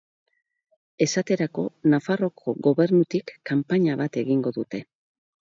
Esaterako Nafarroako Gobernutik kanpaina bat egingo dute.